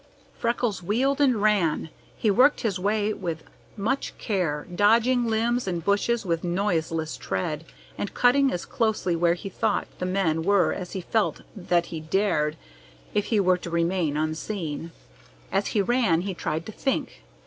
Freckles wheeled and ran. He worked his way with much care, dodging limbs and bushes with noiseless tread, and cutting as closely where he thought the men were as he felt that he dared if he were to remain unseen. As he ran he tried to think.